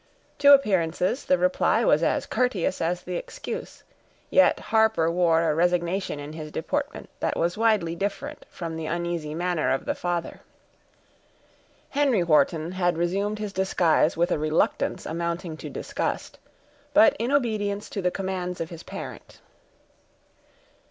To appearances, the reply was as courteous as the excuse; yet Harper wore a resignation in his deportment that was widely different from the uneasy manner of the father. Henry Wharton had resumed his disguise with a reluctance amounting to disgust, but in obedience to the commands of his parent.